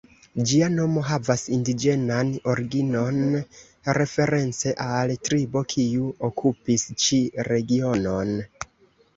Ĝia nomo havas indiĝenan originon, reference al tribo kiu okupis ĉi regionon.